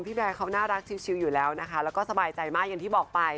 แบร์เขาน่ารักชิวอยู่แล้วนะคะแล้วก็สบายใจมากอย่างที่บอกไป